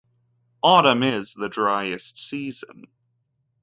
Autumn is the driest season.